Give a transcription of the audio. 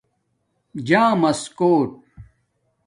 جامس کݸٹ